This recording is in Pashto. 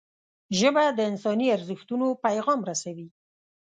ژبه د انساني ارزښتونو پیغام رسوي